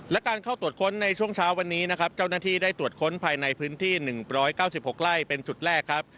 และการเข้าตรวจค้นในช่วงเช้าวันนี้นะครับเจ้าหน้าที่ได้ตรวจค้นภายในพื้นที่๑๙๖ไร่เป็นจุดแรกครับ